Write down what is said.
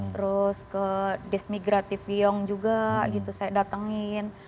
terus ke dismigrativiong juga gitu saya datengin